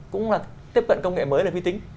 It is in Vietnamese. cũng là tiếp cận công nghệ mới là vi tính